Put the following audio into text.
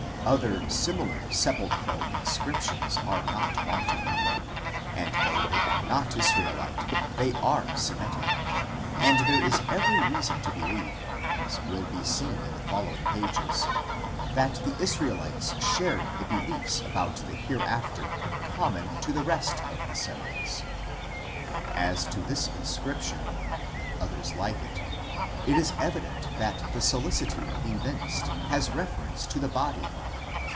" Other similar sepulchral inscriptions are not wanting ; and though they are not Israelite, they are Semitic, and there is every reason to believe as will be seen in the following pages that the Israelites shared the beliefs about the hereafter common to the rest of the Semites. As to this mscrir>tior> and others like it, it is evident that the solicitude evinced has reference to the body.